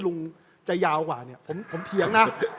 แล้วจะยาวกว่าผมเผียงนะ